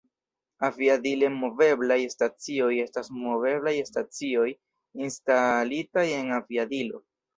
Aviadile-moveblaj stacioj estas moveblaj stacioj instalitaj en aviadilo.